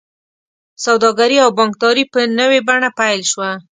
سوداګري او بانکداري په نوې بڼه پیل شوه.